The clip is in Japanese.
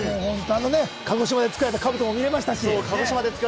鹿児島で作られた兜も見られましたし。